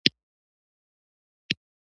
د دولتي ځمکو د غصب مخه نیول کیږي.